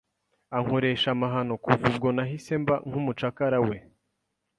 ankoresha amahano kuva ubwo nahise mba nkumucakara we!